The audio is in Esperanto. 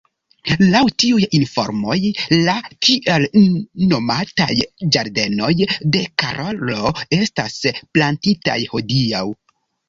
Laŭ tiuj informoj la tiel nomataj ĝardenoj de Karolo estas plantitaj hodiaŭ.